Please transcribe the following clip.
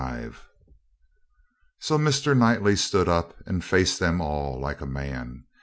Chapter 45 So Mr. Knightley stood up and faced them all like a man.